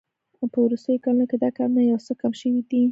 په وروستیو کلونو کې دا کارونه یو څه کم شوي دي